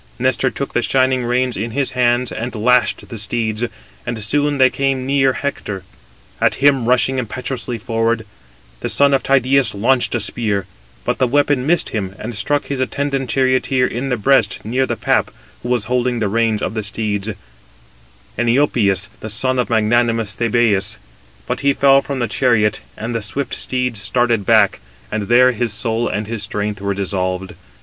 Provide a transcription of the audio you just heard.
Nestor took the shining reins in his hands, and lashed the steeds, and soon they came near Hector. At him rushing impetuously forward, the son of Tydeus launched a spear; but the weapon missed him, and struck his attendant charioteer in the breast, near the pap, who was holding the reins of the steeds, Eniopeus, the son of magnanimous Thebæus: but he fell from the chariot, and the swift steeds started back, and there his soul and his strength were dissolved.